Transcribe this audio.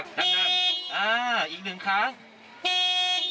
ดังอีกหนึ่งครับ